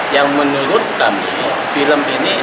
yang menurut kami film ini